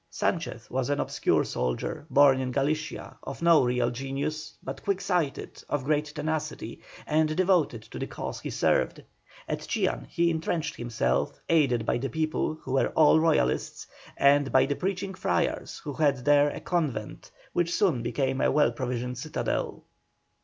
Sanchez was an obscure soldier, born in Galicia, of no real genius, but quick sighted, of great tenacity, and devoted to the cause he served. At Chillán he entrenched himself, aided by the people, who were all Royalists, and by the preaching friars, who had there a convent, which soon became a well provisioned citadel.